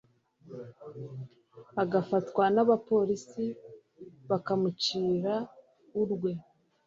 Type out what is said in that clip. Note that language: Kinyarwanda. agafatwa n'abapolisi bakamucira urwe